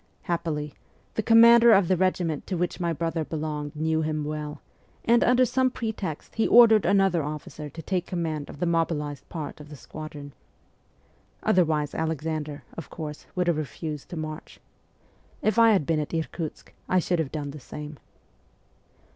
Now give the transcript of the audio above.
Happily, the commander of the regiment to which my brother belonged knew him well, and, under some pretext, he ordered another officer to take command of the mobilized part of the squadron. Otherwise Alexander, of course, would have refused to march. If I had been at Irkutsk, I should have done the same.